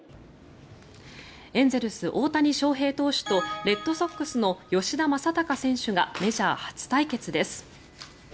エンゼルス、大谷翔平投手とレッドソックスの吉田正尚選手がメジャー初対決です。